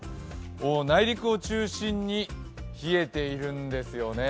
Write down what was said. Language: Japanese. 内陸を中心に冷えているんですよね。